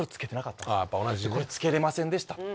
「これつけれませんでした」